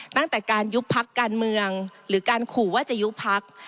ตั้งแต่การยุบพักการเมืองหรือการขู่ว่าจะยุบพัก